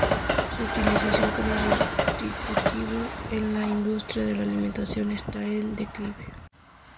Su utilización como sustitutivo en la industria de la alimentación está en declive.